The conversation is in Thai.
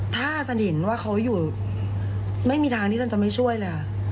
ถ้าสันเห็นว่าเขาอยู่ไม่มีทางที่ฉันจะไม่ช่วยเลยค่ะ